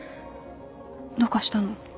どうかしたの？